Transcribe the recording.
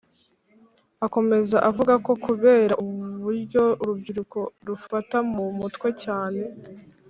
akomeza avuga ko kubera uburyo urubyiruko rufata mu mutwe cyane,